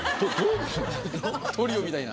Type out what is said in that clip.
トリオみたいな。